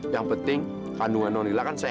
yang penting kandungan nonila kan saya